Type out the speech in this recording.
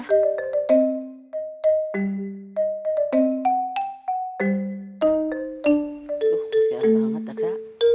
masih keras banget daksa